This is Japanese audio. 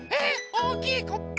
⁉おおきいコップ。